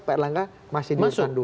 pak erlangga masih di urutan dua